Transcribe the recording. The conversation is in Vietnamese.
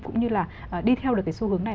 cũng như là đi theo được cái xu hướng này